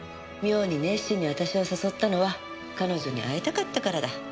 妙に熱心に私を誘ったのは彼女に会いたかったからだ。